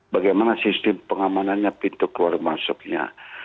bagaimana sistem pengamanannya pintu keluar masuknya